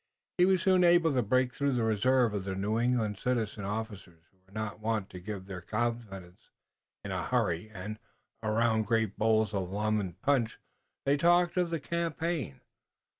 He was soon able to break through the reserve of the New England citizen officers who were not wont to give their confidence in a hurry, and around great bowls of lemon punch they talked of the campaign.